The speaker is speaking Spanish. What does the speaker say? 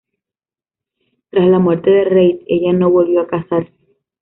Tras la muerte de Reid, ella no volvió a casarse.